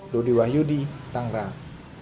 dodi wahyudi tangerang